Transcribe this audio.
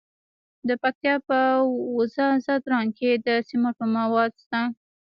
د پکتیا په وزه ځدراڼ کې د سمنټو مواد شته.